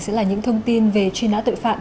sẽ là những thông tin về truy nã tội phạm